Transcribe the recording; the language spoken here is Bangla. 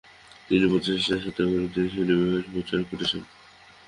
তিনি প্রচেষ্টার সাথে কাদেরিয়া সিলসিলার প্রচার করেছিলেন।